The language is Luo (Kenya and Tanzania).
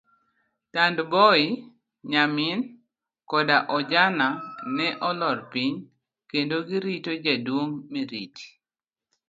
Tandboi, nyamin, koda ojana ne olor piny, kendo girito jaduong' Miriti.